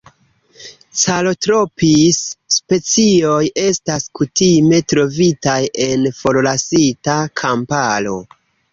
Calotropis-specioj estas kutime trovitaj en forlasita kamparo.